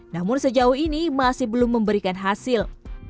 namun sejauh ini masih belum memberikan hasil